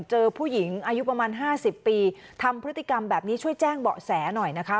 เจอผู้หญิงอายุประมาณ๕๐ปีทำพฤติกรรมแบบนี้ช่วยแจ้งเบาะแสหน่อยนะคะ